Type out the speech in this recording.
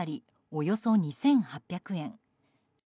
およそ２８００円。